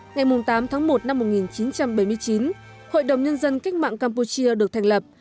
ngày tám tháng một năm một nghìn chín trăm bảy mươi chín hội đồng nhân dân cách mạng campuchia được thành lập